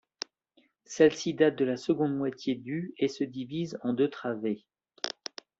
Celle-ci date de la seconde moitié du et se divise en deux travées.